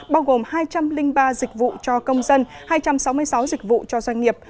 bao gồm hai trăm linh ba dịch vụ cho công dân hai trăm sáu mươi sáu dịch vụ cho doanh nghiệp